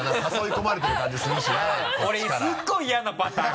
これすごい嫌なパターン！